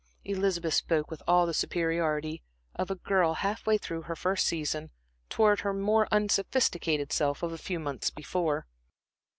Elizabeth spoke with all the superiority of a girl half way through her first season towards her more unsophisticated self of a few months before.